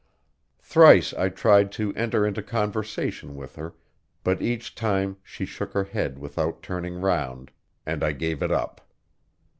Thrice I tried to enter into conversation with her; but each time she shook her head without turning round, and I gave it up.